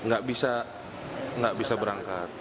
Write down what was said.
nggak bisa berangkat